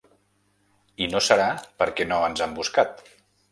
I no serà perquè no ens han buscat.